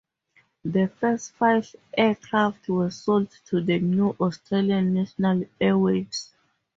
The first five aircraft were sold to the new Australian National Airways.